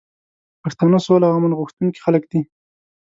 پښتانه سوله او امن غوښتونکي خلک دي.